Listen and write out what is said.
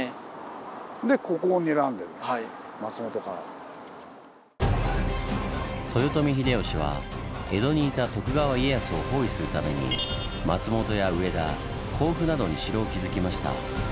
で豊臣秀吉は江戸にいた徳川家康を包囲するために松本や上田甲府などに城を築きました。